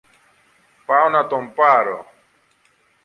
πάω να τον πάρω.